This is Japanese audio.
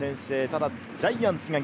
ただジャイアンツが